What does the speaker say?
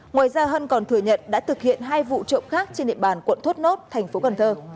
ngoài ra hân còn thừa nhận đã thực hiện hai vụ trộm khác trên địa bàn quận thốt nốt thành phố cần thơ